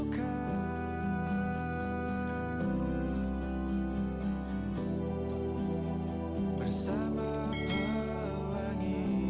katanya lu bakal puas